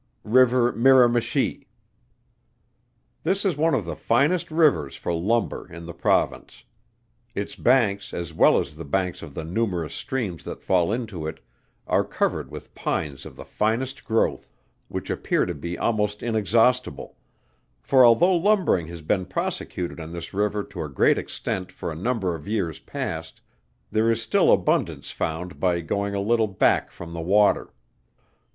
RIVER MIRAMICHI. This is one of the finest rivers for lumber in the Province. Its banks as well as the banks of the numerous streams that fall into it, are covered with pines of the finest growth, which appear to be almost inexhaustable, for although lumbering has been prosecuted on this river to a great extent for a number of years past, there is still abundance found by going a little back from the water.